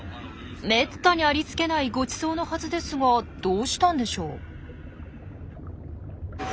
めったにありつけないごちそうのはずですがどうしたんでしょう？